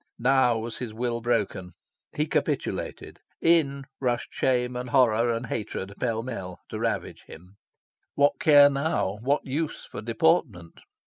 Now was his will broken. He capitulated. In rushed shame and horror and hatred, pell mell, to ravage him. What care now, what use, for deportment?